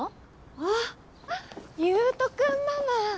あっ優斗君ママ。